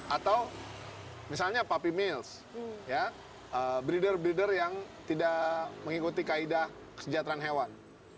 atau misalnya puppy mills breeder breeder yang tidak mengikuti kaidah kesejahteraan hewan